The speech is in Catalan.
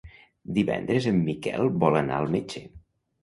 Divendres en Miquel vol anar al metge.